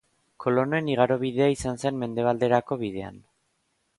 Kolonoen igarobidea izan zen mendebalerako bidean.